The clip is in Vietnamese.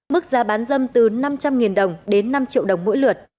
mức giá bán dâm từ năm trăm linh đồng đến năm triệu đồng mỗi lượt